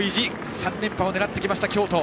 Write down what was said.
３連覇を狙ってきました京都。